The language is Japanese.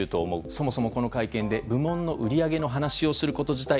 そもそも、この会見で部門の売り上げの話をすること自体